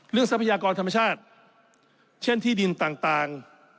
เรื่องทรัพยากรธรรมชาติเช่นที่ดินต่างต่าง